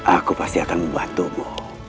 aku pasti akan membantumu